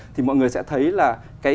thì mọi người sẽ thấy là